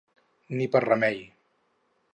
Ni per remei.